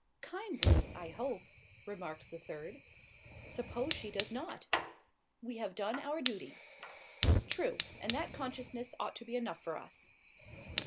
"Kindly, I hope," remarked the third. "Suppose she does not?" "We have done our duty." "True. And that consciousness ought to be enough for us."